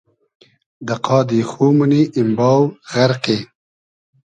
دۂ قادی خو مونی ایمباو ، غئرقی